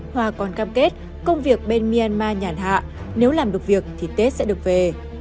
hòa còn cam kết công việc bên myanmar nhàn hạ nếu làm được việc thì tết sẽ được về